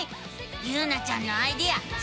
ゆうなちゃんのアイデアすごいね！